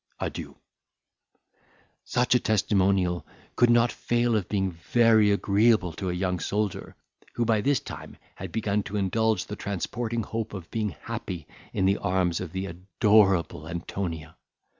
Adieu." Such a testimonial could not fail of being very agreeable to a young soldier, who by this time had begun to indulge the transporting hope of being happy in the arms of the adorable Antonia.